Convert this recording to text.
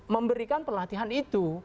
memberikan pelatihan itu